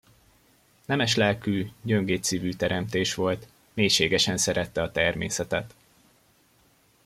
Nemes lelkű, gyöngéd szívű teremtés volt, mélységesen szerette a természetet.